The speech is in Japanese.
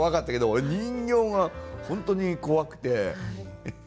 俺人形が本当に怖くて。